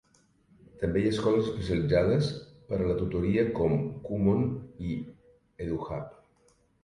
També hi ha escoles especialitzades per a la tutoria com, Kumon i EduHub.